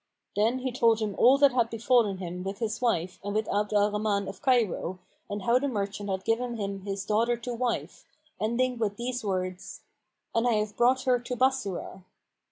Then he told him all that had befallen him with his wife and with Abd al Rahman of Cairo and how the merchant had given him his daughter to wife, ending with these words, "And I have brought her to Bassorah."